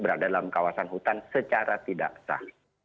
berada dalam kawasan hutan secara tidak sah